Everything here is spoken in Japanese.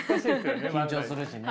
緊張するしね。